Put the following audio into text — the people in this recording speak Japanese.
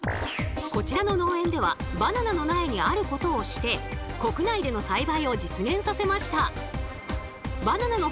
こちらの農園ではバナナの苗にあることをして一体何でしょう？